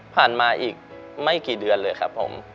มาอีกไม่กี่เดือนเลยครับผม